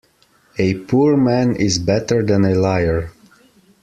A poor man is better than a liar.